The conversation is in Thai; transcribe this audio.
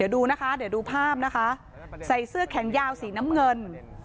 เดี๋ยวดูภาพใส่เสื้อแข็งยาวสีน้ำเงิน